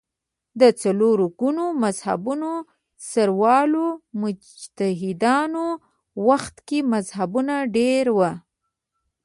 د څلور ګونو مذهبونو سروالو مجتهدانو وخت کې مذهبونه ډېر وو